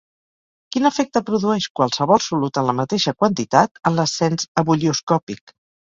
Quin efecte produeix qualsevol solut en la mateixa quantitat en l'ascens ebullioscòpic?